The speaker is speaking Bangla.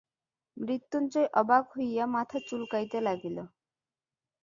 মৃত্যুঞ্জয় অবাক হইয়া মাথা চুলকাইতে লাগিল।